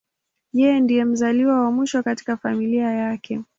Yeye ndiye mzaliwa wa mwisho katika familia yake.